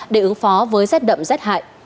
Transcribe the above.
để ứng phó với rét đậm rét hại